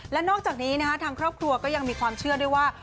และนอกจากนี้ทางครอบครัวก็ยังมีความเชื่อด้วยว่า